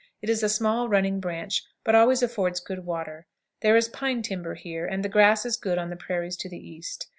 It is a small running branch, but always affords good water. There is pine timber here, and the grass is good on the prairies to the east.